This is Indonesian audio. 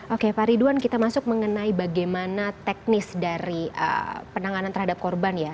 oke pak ridwan kita masuk mengenai bagaimana teknis dari penanganan terhadap korban ya